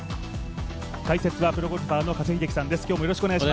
解説は、プロゴルファーの加瀬秀樹さんです。